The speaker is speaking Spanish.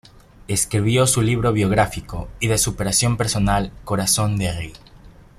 Escribió su libro biográfico y de superación personal "Corazón de Rey".